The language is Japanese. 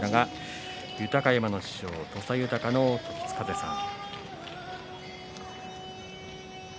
豊山の師匠の土佐豊の時津風さん。